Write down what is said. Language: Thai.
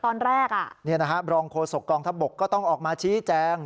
ตอนแรกอ่ะเนี่ยนะฮะรองโคศกองทัพบกก็ต้องออกมาชี้แจง